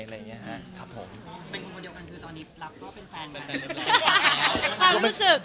เป็นคนเดียวกันคือตอนนี้รับก็เป็นแฟนกัน